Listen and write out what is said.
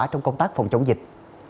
trong công tác phòng chống dịch